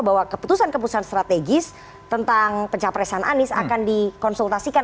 bahwa keputusan keputusan strategis tentang pencapresan anies akan dikonsultasikan